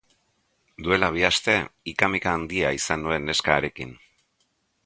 Duela bi aste, ika-mika handia izan nuen neska harekin.